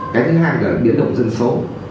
cái thứ hai là biến động dân số